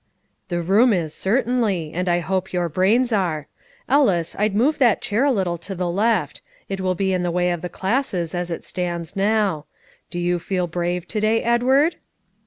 "The room is, certainly; and I hope your brains are. Ellis, I'd move that chair a little to the left; it will be in the way of the classes as it stands now. Do you feel brave to day, Edward?"